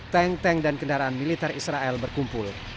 tank tank dan kendaraan militer israel berkumpul